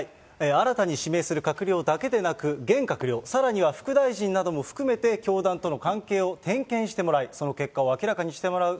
新たに指名する閣僚だけでなく、現閣僚、さらには副大臣なども含めて、教団との関係を点検してもらい、その結果を明らかにしてもらう。